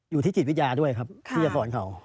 อยู่ที่จิตวิทยาด้วยครับที่จะสอนเขา